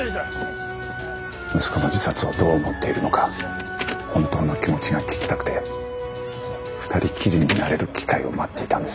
息子の自殺をどう思っているのか本当の気持ちが聞きたくて２人きりになれる機会を待っていたんです。